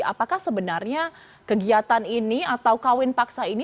apakah sebenarnya kegiatan ini atau kawin paksa ini